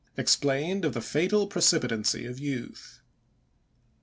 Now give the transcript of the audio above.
EXPLAINED OF THE FATAL PRECIPITANCY OF YOUTH.